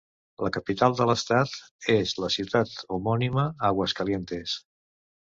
La capital de l'estat és la ciutat homònima Aguascalientes.